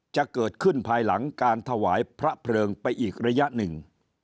จะเกิดขึ้นภายหลังการถวายพระเพลิงไปอีกระยะหนึ่ง